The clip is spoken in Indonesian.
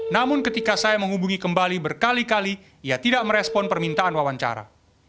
namun ketika saya menghubungi kembali berkali kali ia tidak merespon permintaan wawancara